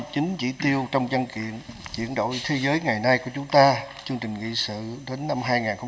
một trăm sáu mươi chín chỉ tiêu trong dân kiện chuyển đổi thế giới ngày nay của chúng ta chương trình nghị sự đến năm hai nghìn ba mươi